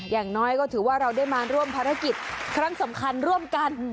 อย่างน้อยก็ถือว่าเราได้มาร่วมภารกิจครั้งสำคัญร่วมกัน